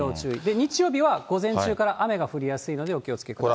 日曜日は午前中から雨が降りやすいのでお気をつけください。